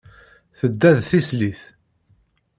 Tedda d tislit.